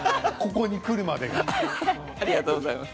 ここにくるまでが。